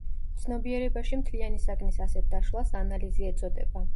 ცნობიერებაში მთლიანი საგნის ასეთ დაშლას ანალიზი ეწოდება.